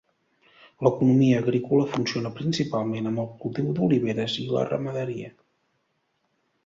L'economia agrícola funciona principalment amb el cultiu d'oliveres i la ramaderia.